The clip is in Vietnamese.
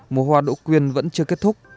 mùa hoa đỗ quyên vẫn chưa kết thúc